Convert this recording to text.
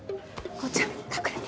紘ちゃん隠れて。